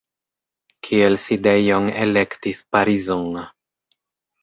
Kiel sidejon elektis Parizon.